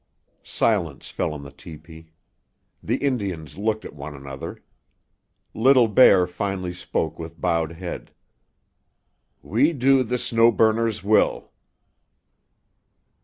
Silence fell on the tepee. The Indians looked at one another. Little Bear finally spoke with bowed head. "We do the Snow Burner's will."